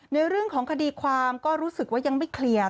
ในเรื่องของคดีความก็รู้สึกว่ายังไม่เคลียร์